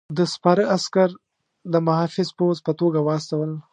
ده سپاره عسکر د محافظ پوځ په توګه واستول.